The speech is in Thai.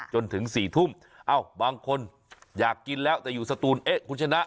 จนถึง๔ทุ่มเอ้าบางคนอยากกินแล้วแต่อยู่สตูนเอ๊ะคุณชนะ